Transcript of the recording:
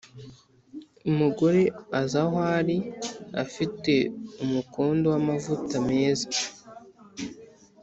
umugore aza aho ari afite umukondo w’amavuta meza